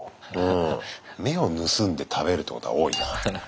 目を盗んで食べるってことが多いな。